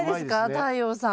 太陽さん。